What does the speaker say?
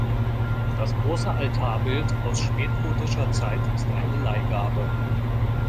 Das große Altarbild aus spätgotischer Zeit ist eine Leihgabe.